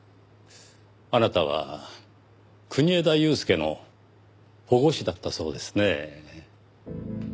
あなたは国枝祐介の保護司だったそうですねぇ。